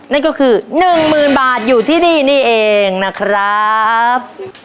นั่นก็คือ๑๐๐๐บาทอยู่ที่นี่นี่เองนะครับ